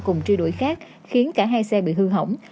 cùng truy đuổi khác khiến cả hai xe bị hư hỏng